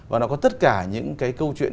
và nó có tất cả những cái câu chuyện